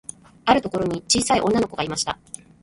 あるところに、ちいさい女の子がいました。